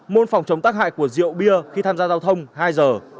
môn phòng chống tác hại của rượu bia khi tham gia giao thông hai giờ